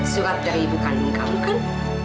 surat dari ibu kandung kamu kan